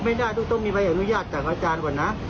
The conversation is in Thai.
ไม่ได้ต้องมีใบอนุญาตจากอาจารย์ก่อนนะ